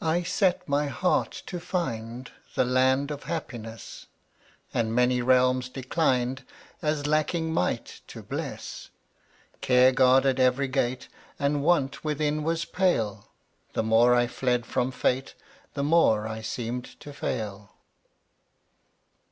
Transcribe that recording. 106 I set my heart to find The Land of Happiness, And many realms declined As lacking might to bless. Care guarded every gate And Want within was pale; The more I fled from Fate The more I seemed to fail.